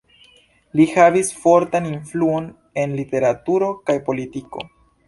Li havis fortan influon en literaturo kaj politiko.